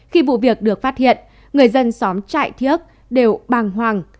khi vụ việc được phát hiện người dân xóm trại thiếc đều bàng hoàng